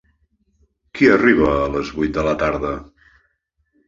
Qui arriba a les vuit de la tarda?